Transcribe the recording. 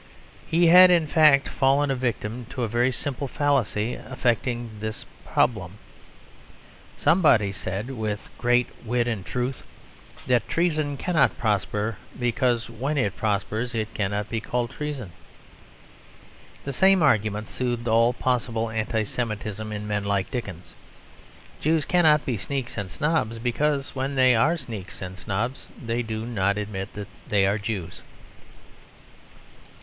He had, in fact, fallen a victim to a very simple fallacy affecting this problem. Somebody said, with great wit and truth, that treason cannot prosper, because when it prospers it cannot be called treason. The same argument soothed all possible Anti Semitism in men like Dickens. Jews cannot be sneaks and snobs, because when they are sneaks and snobs they do not admit that they are Jews.